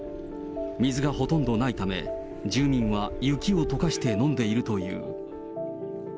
水がほとんどないため、住民は雪をとかして飲んでいるという。